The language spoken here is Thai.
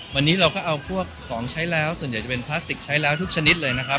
วันนี้เราก็เอาพวกของใช้แล้วส่วนใหญ่จะเป็นพลาสติกใช้แล้วทุกชนิดเลยนะครับ